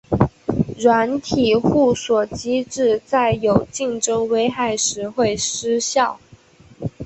软体互锁机制在有竞争危害时会失效。